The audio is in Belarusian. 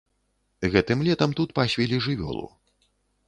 Гэтым летам тут пасвілі жывёлу.